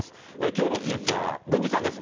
きょうのニュースは郡司さんです。